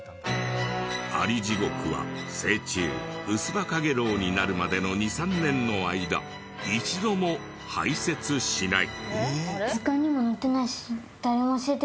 「アリジゴクは成虫ウスバカゲロウになるまでの２３年の間一度も排泄しない」